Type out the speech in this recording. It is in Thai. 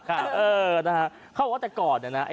เขาบอกว่าแต่ก่อนเนี่ยนะ